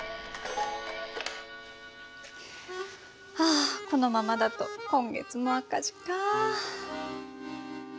あこのままだと今月も赤字か。